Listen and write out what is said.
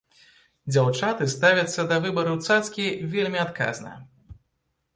Дзяўчаты ставяцца да выбару цацкі вельмі адказна.